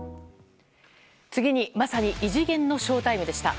次にまさに異次元のショウタイムでした。